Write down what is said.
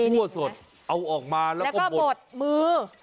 คั่วสดเอาออกมาแล้วก็หมดแล้วก็บดมื้อ